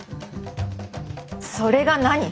それが何？